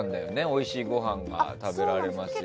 「おいしいごはんが食べられますように」。